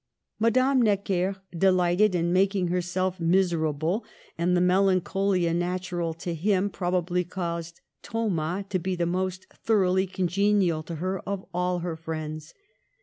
Madame Necker delighted in making herself iniserable, and the melancholia natural to him probably caused Thomas to be the most thor oughly congenial to her of all her friends.